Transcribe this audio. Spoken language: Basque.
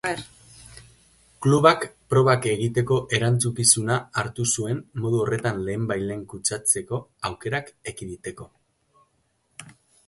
Klubak probak egiteko erantzukizuna hartu zuen modu horretan lehenbailehen kutsatzeko aukerak ekiditeko.